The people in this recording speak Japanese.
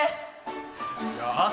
よし！